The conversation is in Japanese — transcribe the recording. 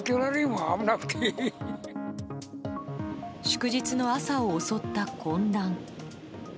祝日の朝を襲った混乱。